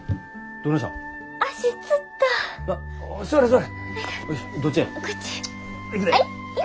どっちや。